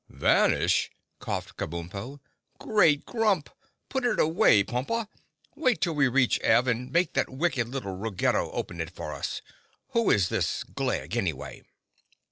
"Vanish!" coughed Kabumpo. "Great Grump! Put it away, Pompa. Wait till we reach Ev and make that wicked little Ruggedo open it for us. Who is this Glegg, anyway?"